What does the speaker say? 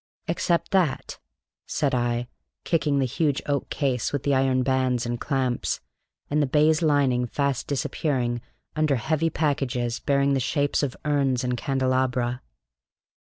"Except that," said I, kicking the huge oak case with the iron bands and clamps, and the baize lining fast disappearing under heavy packages bearing the shapes of urns and candelabra.